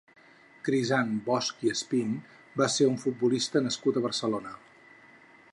Crisant Bosch i Espín va ser un futbolista nascut a Barcelona.